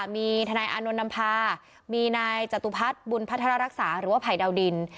มีทนายอานนท์นำพามีนายจตุพัฒน์บุญพัฒนารักษาหรือว่าภัยดาวดิน